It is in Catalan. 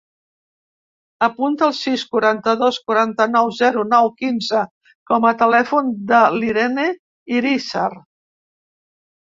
Apunta el sis, quaranta-dos, quaranta-nou, zero, nou, quinze com a telèfon de l'Irene Irizar.